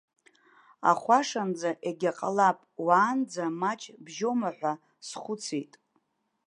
Ахәашанӡа егьа ҟалап, уаанӡа маҷ бжьома ҳәа схәыцит.